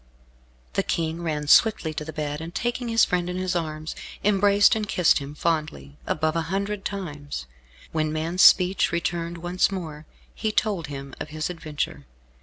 The King ran swiftly to the bed and taking his friend in his arms, embraced and kissed him fondly, above a hundred times. When man's speech returned once more, he told him of his adventure.